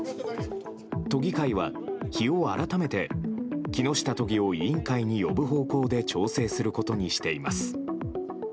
都議会は日を改めて、木下都議を委員会に呼ぶ方向で調整することにしています。